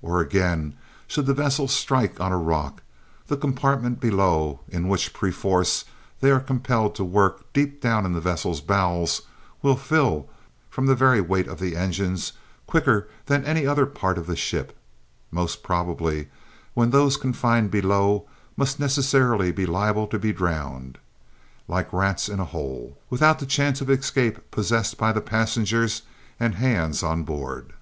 Or again, should the vessel strike on a rock, the compartment below in which perforce they are compelled to work deep down in the vessel's bowels will fill, from the very weight of the engines, quicker than any other part of the ship, most probably, when those confined below must necessarily be liable to be drowned, like rats in a hole, without the chances of escape possessed by the passengers and hands on board.